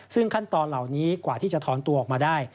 ซึ่งขั้นตอนเหล่านี้กว่าที่จะถอนตัวออกมาได้